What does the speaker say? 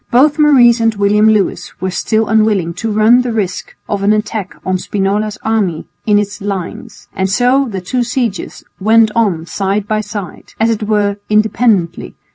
Both Maurice and William Lewis were still unwilling to run the risk of an attack on Spinola's army in its lines, and so the two sieges went on side by side, as it were independently.